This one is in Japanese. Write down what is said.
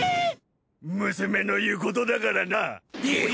娘の言うことだからな。え！？